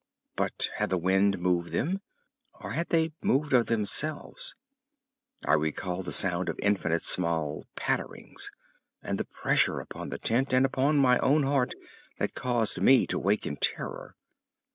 But had the wind moved them, or had they moved of themselves? I recalled the sound of infinite small patterings and the pressure upon the tent and upon my own heart that caused me to wake in terror.